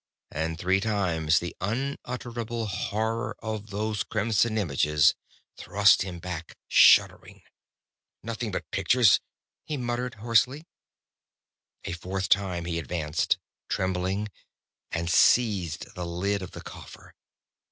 And three times the unutterable horror of those crimson images thrust him back, shuddering. "Nothing but pictures," he muttered hoarsely. A fourth time he advanced, trembling, and seized the lid of the coffer.